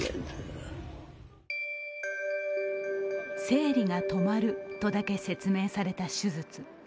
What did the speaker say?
生理が止まるとだけ説明された手術。